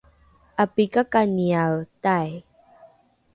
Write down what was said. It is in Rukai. ’apikakaniae tai